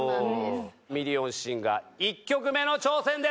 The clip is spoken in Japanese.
『ミリオンシンガー』１曲目の挑戦です。